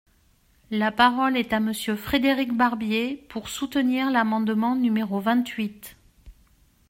La parole est à Monsieur Frédéric Barbier, pour soutenir l’amendement numéro vingt-huit.